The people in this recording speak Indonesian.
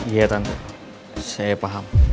iya tante saya paham